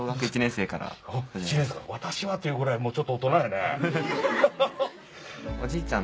「私は」って言うぐらいちょっと大人やね。